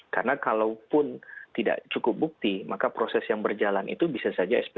karena kalau pun tidak cukup bukti maka proses yang berjalan itu bisa saja sp tiga